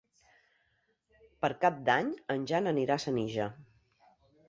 Per Cap d'Any en Jan anirà a Senija.